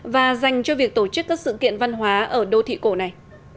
và dành cho việc tổ chức các sự kiện văn hóa ở đô thị cổ này